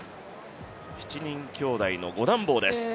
７人きょうだいの５男坊です。